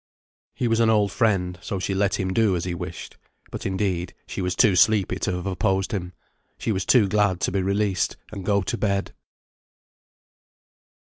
He was an old friend, so she let him do as he wished. But, indeed, she was too sleepy to have opposed him. She was too glad to be released and go to bed.